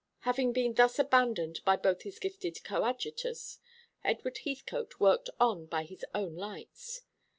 Having been thus abandoned by both his gifted coadjutors, Edward Heathcote worked on by his own lights.